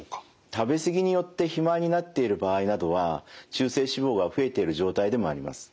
食べ過ぎによって肥満になっている場合などは中性脂肪が増えている状態でもあります。